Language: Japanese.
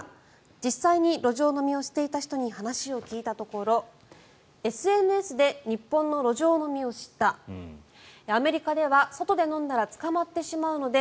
実際に路上飲みをしていた人に話を聞いたところＳＮＳで日本の路上飲みを知ったアメリカでは外で飲んだら捕まってしまうので